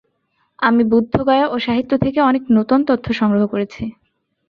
আমি বুদ্ধগয়া ও সাহিত্য থেকে অনেক নূতন তথ্য সংগ্রহ করেছি।